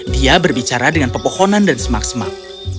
dia berbicara dengan pepohonan dan semak semak